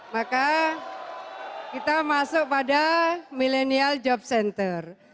maka kita masuk pada millennial job center